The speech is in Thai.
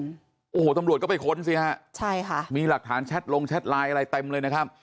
โอ้โหตำรวจก็ไปค้นสิฮะใช่ค่ะมีหลักฐานแชทลงแชทไลน์อะไรเต็มเลยนะครับ